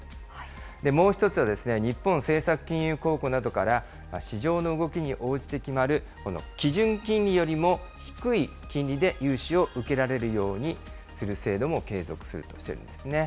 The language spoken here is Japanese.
もう１つは、日本政策金融公庫などから市場の動きに応じて決まるこの基準金利よりも低い金利で融資を受けられるようにする制度も継続するとしているんですね。